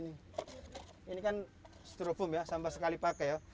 ini kan strofom ya sampah sekali pakai ya